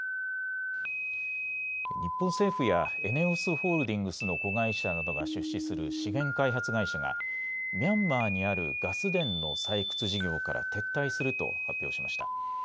日本政府やＥＮＥＯＳホールディングスの子会社などが出資する資源開発会社がミャンマーにあるガス田の採掘事業から撤退すると発表しました。